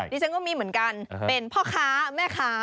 ดิฉันก็มีเหมือนกันเป็นพ่อค้าแม่ค้า